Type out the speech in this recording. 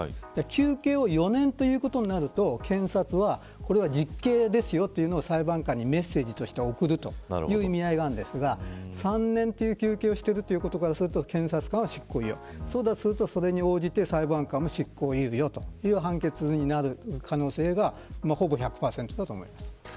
求刑を４年ということになると検察はこれは実刑ですよというのを裁判官にメッセージとして送るという意味合いがあるんですが３年という求刑をしていることからすると検察は施行猶予そうだとするとそれに応じて裁判官も執行猶予というか判決になる可能性がほぼ１００％だと思います。